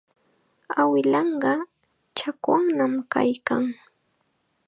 Awilanqa chakwannam kaykan.